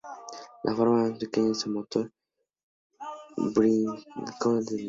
La forma más pequeña es el motor bicilíndrico en línea.